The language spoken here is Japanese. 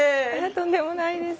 とんでもないです。